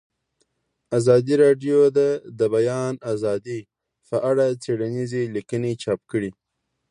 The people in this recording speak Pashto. ازادي راډیو د د بیان آزادي په اړه څېړنیزې لیکنې چاپ کړي.